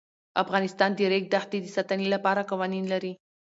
افغانستان د د ریګ دښتې د ساتنې لپاره قوانین لري.